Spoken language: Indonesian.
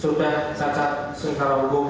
sudah cacat secara umum